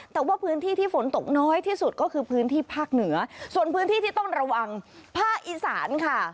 แต่ว่าพื้นที่ที่ฝนตกน้อยที่สุดก็คือพื้นที่ภาคเหนือส่วนพื้นที่ที่ต้องระวังภาคอีสานค่ะ